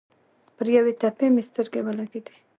پر یوې تپې مې سترګې ولګېدې.